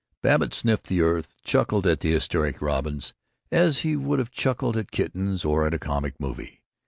Babbitt sniffed the earth, chuckled at the hysteric robins as he would have chuckled at kittens or at a comic movie.